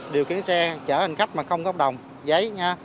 điều kiến xe chở hành khách mà không có hợp đồng giấy nha